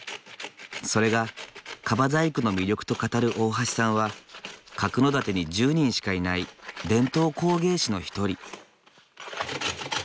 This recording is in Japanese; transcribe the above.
それが樺細工の魅力と語る大橋さんは角館に１０人しかいない伝統工芸士の一人。